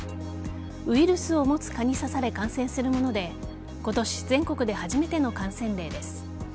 ウイルスを持つ蚊に刺され感染するもので今年、全国で初めての感染例です。